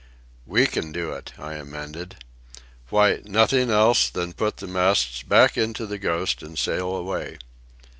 "We can do it," I amended. "Why, nothing else than put the masts back into the Ghost and sail away."